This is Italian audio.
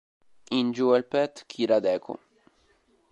In "Jewelpet Kira☆Deco!